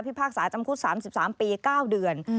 พากษาจำคุก๓๓ปี๙เดือน